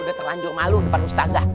ini udah terlanjur malu depan ustazah